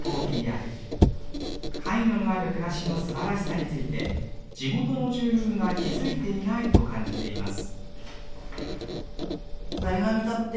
カイニョのある暮らしのすばらしさについて地元の住民が気付いていないと感じています。